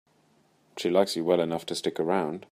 She likes you well enough to stick around.